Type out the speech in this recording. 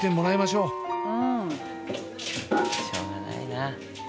しょうがないな。